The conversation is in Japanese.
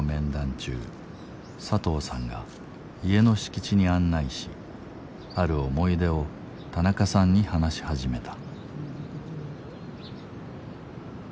中佐藤さんが家の敷地に案内しある思い出を田中さんに話し始めた。